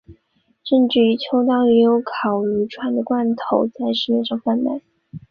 甚至于秋刀鱼也有烤鱼串的罐头在市面上贩售。